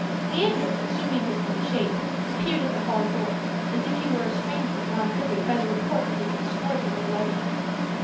Leander, assuming his own shape, appeared at the hall door, as if he were a stranger drawn thither by the report of this extraordinary wedding.